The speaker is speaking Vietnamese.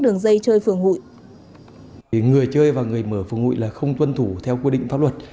đường dây chơi phương hụi người chơi và người mở phương hụi là không tuân thủ theo quy định pháp luật